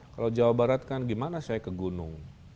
kalau jawa barat kan gimana saya ke gunung